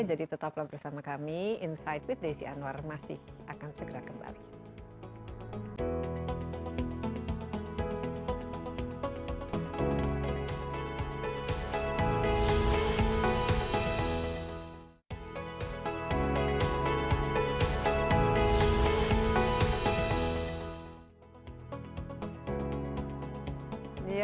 jadi tetaplah bersama kami insight with desi anwar masih akan segera kembali